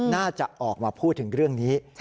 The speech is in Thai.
น่าจะออกมาพูดถึงเรื่องนี้